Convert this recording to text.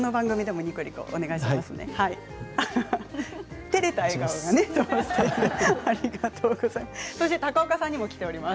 ありがとうございます。